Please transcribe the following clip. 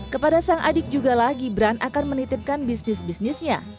kepada sang adik jugalah gibran akan menitipkan bisnis bisnisnya